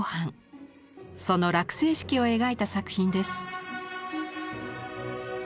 その落成式を描いた作品です。